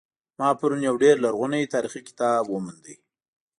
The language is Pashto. ما پرون یو ډیر لرغنۍتاریخي کتاب وموند